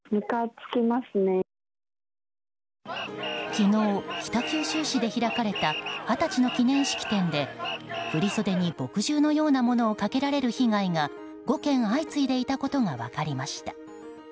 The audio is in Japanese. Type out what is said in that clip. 昨日、北九州市で開かれた二十歳の記念式典で振り袖に墨汁のようなものをかけられる被害が５件、相次いでいたことが分かりました。